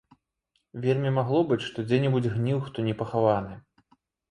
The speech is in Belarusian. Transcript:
Вельмі магло быць, што дзе-небудзь гніў хто непахаваны.